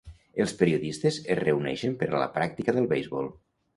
Els periodistes es reuneixen per a la pràctica del beisbol.